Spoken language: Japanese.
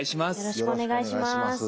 よろしくお願いします。